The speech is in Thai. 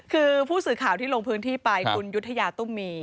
คือผู้สื่อข่าวที่โลงพื้นที่ไปคุณยุทธยาตูเหรอครับ